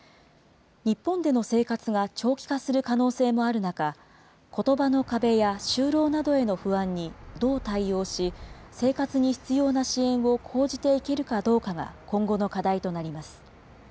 日本での生活が長期化する可能性もある中、ことばの壁や就労などへの不安にどう対応し、生活に必要な支援を講じていけるかどうかが今後の課題となります。